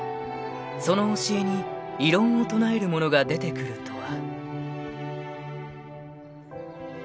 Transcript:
［その教えに異論を唱える者が出てくるとは］